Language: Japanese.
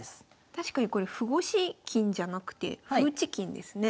確かにこれ歩越し金じゃなくて歩内金ですね。